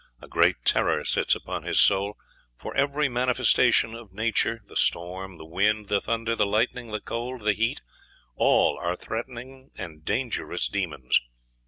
A great terror sits upon his soul; for every manifestation of nature the storm, the wind, the thunder, the lightning, the cold, the heat all are threatening and dangerous demons.